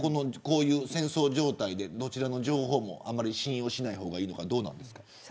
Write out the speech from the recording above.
戦争状態で、どちらの情報もあまり信用しない方がいいのかどっちですか。